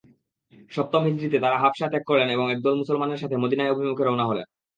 সপ্তম হিজরীতে তারা হাবশা ত্যাগ করলেন এবং একদল মুসলমানের সাথে মদীনার অভিমুখে রওনা হলেন।